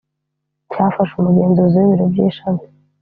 cyafashe umugenzuzi w ibiro by ishami